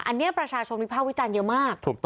อันเนี้ยประชาชงมีเผ่าวิจารณ์เยอะมาก